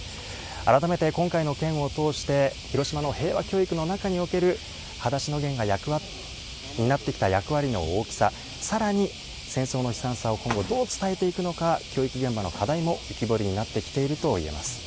改めて今回の件を通して、広島の平和教育の中における、はだしのゲンが担ってきた役割の大きさ、さらに、戦争の悲惨さを今後どう伝えていくのか、教育現場の課題も浮き彫りになってきているといえます。